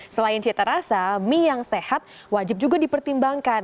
selain cita rasa mie yang sehat wajib juga dipertimbangkan